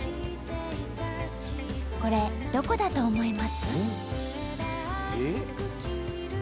これどこだと思います？